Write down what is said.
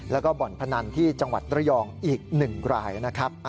แล้วก็บ่อนพนันที่จังหวัดระยองอีก๑รายนะครับ